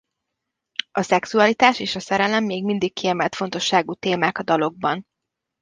A szexualitás és a szerelem még mindig kiemelt fontosságú témák a dalokban.